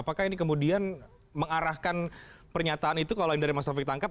apakah ini kemudian mengarahkan pernyataan itu kalau yang dari mas taufik tangkap